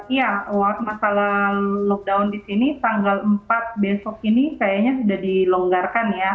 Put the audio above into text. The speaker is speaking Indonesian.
iya masalah lockdown di sini tanggal empat besok ini kayaknya sudah dilonggarkan ya